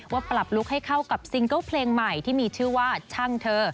ปรับลุคให้เข้ากับซิงเกิลเพลงใหม่ที่มีชื่อว่าช่างเธอ